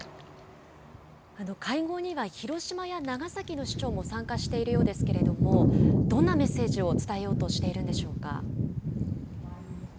会合には、広島や長崎の市長も参加しているようですけれども、どんなメッセージを伝えようとしているんでしょうか。